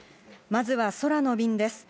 まずは空の便です。